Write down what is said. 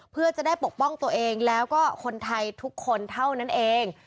เพื่อจะได้ปกป้องตัวเองแล้วก็คนไทยทุกคนเท่านั้นเอง